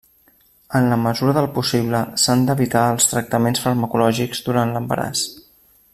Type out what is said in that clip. En la mesura del possible s'han d'evitar els tractaments farmacològics durant l'embaràs.